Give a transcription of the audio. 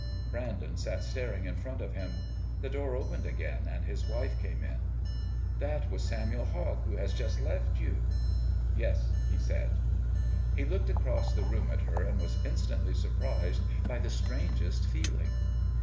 Brandon sat staring in front of him. The door opened again and his wife came in. "That was Samuel Hogg who has just left you?" "Yes," he said. He looked across the room at her and was instantly surprised by the strangest feeling.